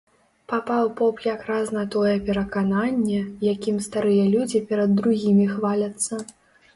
Папаў поп якраз на тое перакананне, якім старыя людзі перад другімі хваляцца.